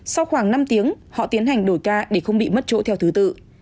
sau khoảng năm tiếng họ tiến hành đổi ca để không bị mất chỗ theo thứ tự